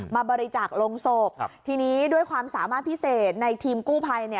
มาบริจาคลงศพทีนี้ด้วยความสามารถพิเศษในทีมกู้ภัย